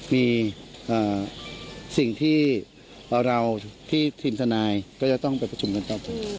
มีสิ่งที่เราที่ทีมทนายก็จะต้องไปประชุมกันต่อไป